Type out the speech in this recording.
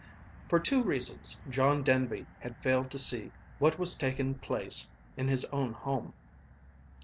For two reasons John Denby had failed to see what was taking place in his own home.